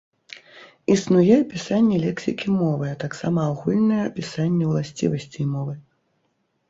Існуе апісанне лексікі мовы, а таксама агульнае апісанне ўласцівасцей мовы.